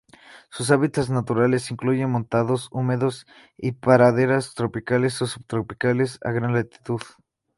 Sus hábitats naturales incluyen montanos húmedos y praderas tropicales o subtropicales a gran altitud.